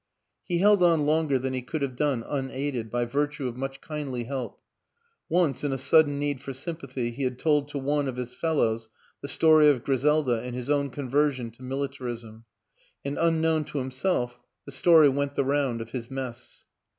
He held on longer than he could have done un aided, by virtue of much kindly help. Once, in a sudden need for sympathy he had told to one of his fellows the story of Griselda and his own con version to militarism; and, unknown to himself, the story went the round of his mess.